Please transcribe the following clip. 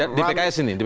ini di pks ini